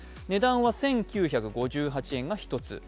値段は１９５８円が一つ。